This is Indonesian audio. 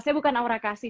saya bukan aura kasi